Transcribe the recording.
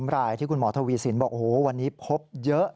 รายที่คุณหมอทวีสินบอกโอ้โหวันนี้พบเยอะ